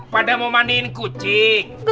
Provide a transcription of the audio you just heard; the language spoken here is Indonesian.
pada memandiin kucing